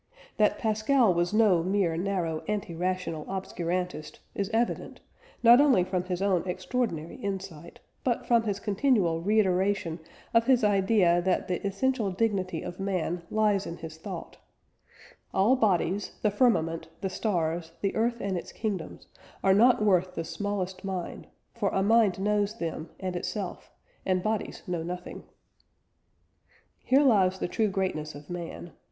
" That Pascal was no mere narrow anti rational obscurantist is evident, not only from his own extraordinary insight, but from his continual reiteration of his idea that the essential dignity of man lies in his thought: "All bodies, the firmament, the stars, the earth and its kingdoms, are not worth the smallest mind, for a mind knows them, and itself, and bodies know nothing." Here lies the true greatness of man.